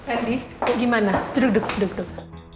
andi gimana duduk duduk